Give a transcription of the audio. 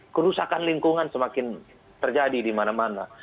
kerusakan lingkungan semakin terjadi di mana mana